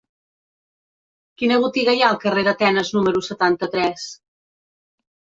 Quina botiga hi ha al carrer d'Atenes número setanta-tres?